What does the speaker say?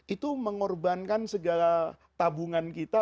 itu mengorbankan segala tabungan kita